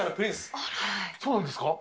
そうなんですか？